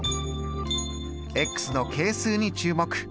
の係数に注目。